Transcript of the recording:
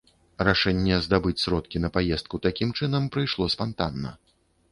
Рашэнне здабыць сродкі на паездку такім чынам прыйшло спантанна.